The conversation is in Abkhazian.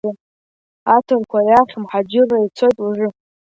Аҭырқәа иахь мҳаџьырра ицот уажәы.